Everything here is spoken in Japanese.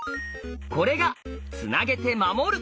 これが「つなげて守る」。